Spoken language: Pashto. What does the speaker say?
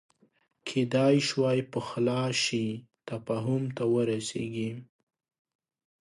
کېدای شوای پخلا شي تفاهم ته ورسېږي